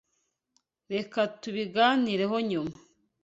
Reka tubiganireho nyuma.